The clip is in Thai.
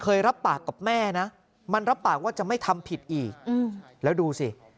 รับปากกับแม่นะมันรับปากว่าจะไม่ทำผิดอีกแล้วดูสิ